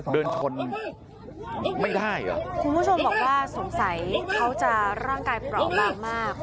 เดินชนไม่ได้เหรอคุณผู้ชมบอกว่าสงสัยเขาจะร่างกายเปราะบางมาก